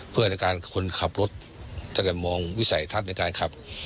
เพื่อในการคนขับรถตั้งแต่มองวิสัยทัศน์ในการขับ